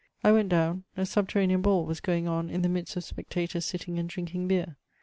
1 went down; a subterranean ball was going on in the midst of spectators sitting and drinking beer.